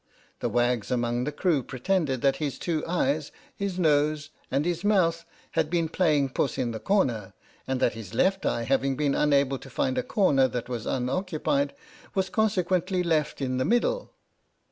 The wags among the crew pretended that his two eyes, his nose, and his mouth, had been playing " Puss in the Corner," and that his left eye, having been un able to find a corner that was unoccupied, was con sequently left in the middle.